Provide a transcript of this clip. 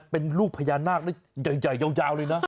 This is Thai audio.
เป็นลูกพญานาคได้ใหญ่ยาวเลยนะ